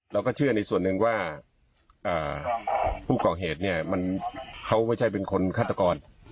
เราก็เชื่อในส่วนหนึ่งว่าผู้ก่อเหตุเนี่ยเขาไม่ใช่เป็นคนฆาตกร